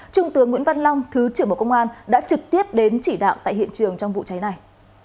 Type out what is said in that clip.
trung tướng nguyễn văn long thứ trưởng bộ công an đã trực tiếp đến chỉ đạo tại hiện trường trong vụ cháy này